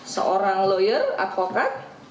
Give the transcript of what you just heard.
seorang lawyer advokat